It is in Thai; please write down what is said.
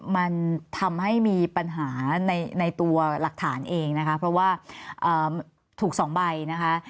มันทำให้มีปัญหาในตัวหลักฐานเองนะคะเพราะว่าถูก๒ใบนะคะ